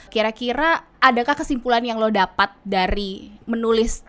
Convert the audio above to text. kira kira adakah kesimpulan yang lo dapat dari menulis